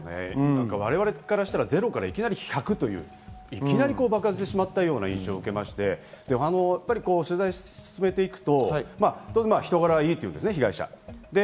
我々からしたら０から１００といきなり爆発してしまった印象を受けまして取材を進めていくと、人柄がいいっていうんですね、被害者は。